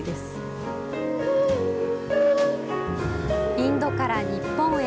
インドから日本へ。